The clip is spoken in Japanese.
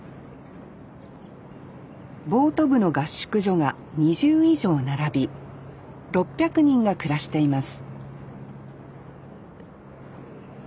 ボート部の合宿所が２０以上並び６００人が暮らしています